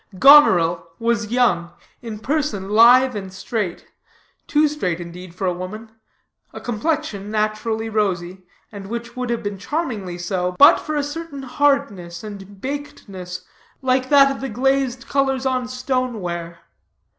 Goneril was young, in person lithe and straight, too straight, indeed, for a woman, a complexion naturally rosy, and which would have been charmingly so, but for a certain hardness and bakedness, like that of the glazed colors on stone ware.